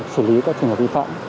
xử lý các trường hợp vi phạm